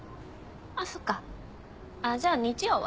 あぁそっかじゃあ日曜は？